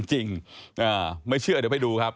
จริงไม่เชื่อเดี๋ยวไปดูครับ